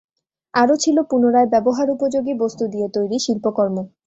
আরো ছিলো পুনরায় ব্যবহার উপযোগী বস্তু দিয়ে তৈরি শিল্পকর্ম।